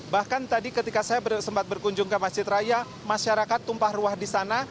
bahkan tadi ketika saya sempat berkunjung ke masjid raya masyarakat tumpah ruah di sana